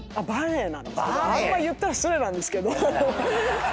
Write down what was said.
あんま言ったら失礼なんですけど。